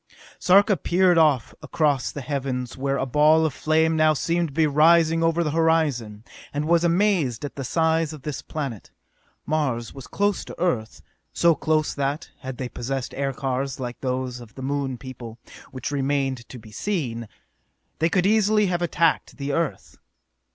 Sarka peered off across the heavens where a ball of flame now seemed to be rising over the horizon, and was amazed at the size of this planet. Mars was close to Earth, so close that, had they possessed aircars like those of the Moon people which remained to be seen they could easily have attacked the Earth.